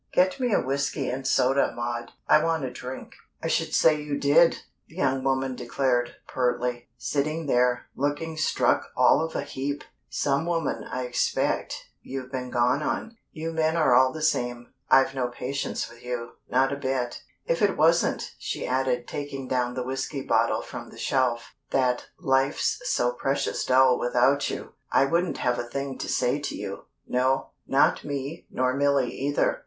Get me a whiskey and soda, Maud. I want a drink." "I should say you did!" the young woman declared, pertly. "Sitting there, looking struck all of a heap! Some woman, I expect, you've been gone on. You men are all the same. I've no patience with you not a bit. If it wasn't," she added, taking down the whiskey bottle from the shelf, "that life's so precious dull without you, I wouldn't have a thing to say to you no, not me nor Milly either!